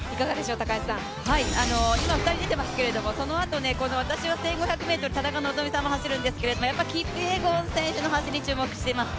今、２人出ていますけど、このあと１５００ｍで田中希実さんも走るんですけどやっぱりキピエゴン選手の走り、注目しています。